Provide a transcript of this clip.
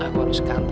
aku harus kantor